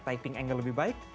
typing angle lebih baik